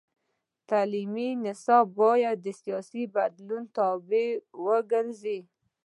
تعلیمي نصاب باید د سیاسي بدلونونو تابع ونه ګرځي.